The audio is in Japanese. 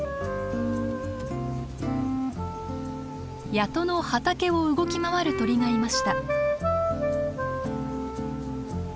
谷戸の畑を動き回る鳥がいました。